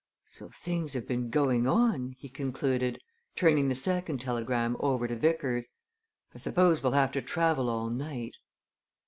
So things have been going on," he concluded, turning the second telegram over to Vickers. "I suppose we'll have to travel all night?"